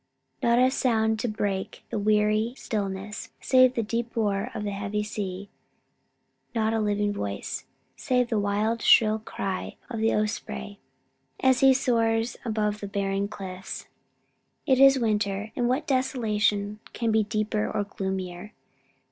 Not a sound to break the weary stillness, save the deep roar of the heavy sea; not a living voice, save the wild shrill cry of the osprey, as he soars above the barren cliffs! It is winter, and what desolation can be deeper or gloomier!